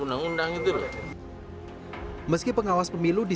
yang indah gitu meski pengawas pemilu di